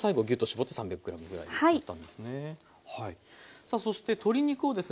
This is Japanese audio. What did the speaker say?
さあそして鶏肉をですね